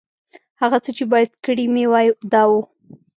هغه څه چې باید کړي مې وای، دا و.